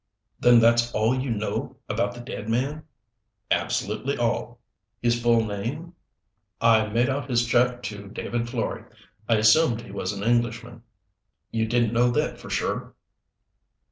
"Then that's all you know about the dead man?" "Absolutely all." "His full name?" "I made out his check to David Florey. I assumed he was an Englishman." "You didn't know that, for sure?"